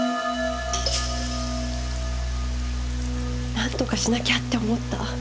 なんとかしなきゃって思った。